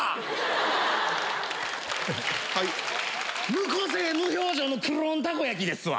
無個性無表情のクローンたこ焼きですわ。